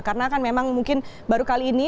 karena kan memang mungkin baru kali ini